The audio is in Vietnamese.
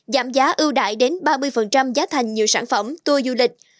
giảm giá ưu đại đến ba mươi giá thành nhiều sản phẩm tour du lịch